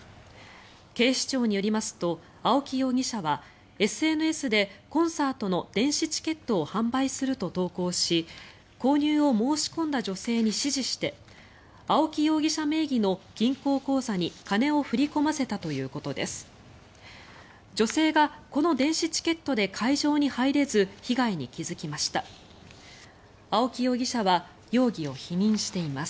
警視庁によりますと青木容疑者はＳＮＳでコンサートの電子チケットを販売すると投稿し購入を申し込んだ女性に指示して青木容疑者名義の銀行口座に金を振り込ませたということです。